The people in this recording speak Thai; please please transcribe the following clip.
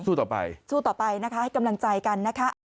ต่อไปสู้ต่อไปนะคะให้กำลังใจกันนะคะ